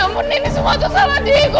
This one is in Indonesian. ya ampun ini semua tuh salah dego